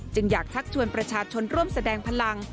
อยากทักชวนประชาชนร่วมแสดงพลัง